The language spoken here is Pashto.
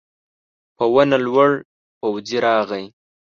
په ونه لوړ پوځي راغی.